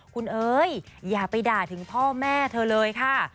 คุณเอ๋ยอย่าไปด่าถึงพ่อแม่เธอเลยค่ะ